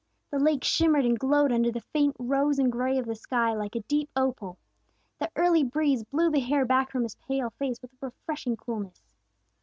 The lake shimmered and glowed under the faint rose and gray of the sky like a deep opal. The early breeze blew the hair back from his pale face with a refreshing coolness.